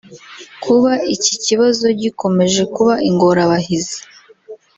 Kuba iki kibazo gikomeje kuba ingorabahizi